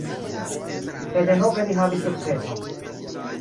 Kaj denove li havis sukceson.